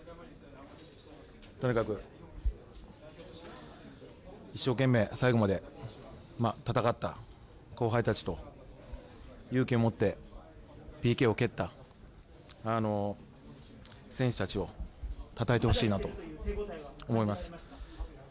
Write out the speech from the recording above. とにかく一生懸命、最後まで戦った後輩たちと勇気を持ってＰＫを蹴った選手たちを称えてほしいなと思います。